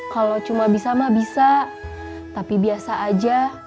kalau cuma bisa mah bisa tapi biasa aja